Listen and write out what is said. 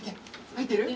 入ってる？